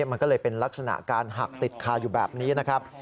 มันก็เลยเป็นลักษณะการหักติดคาอยู่แบบนี้นะครับ